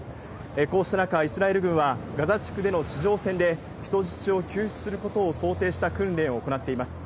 こうした中、イスラエル軍は、ガザ地区での地上戦で人質を救出することを想定した訓練を行っています。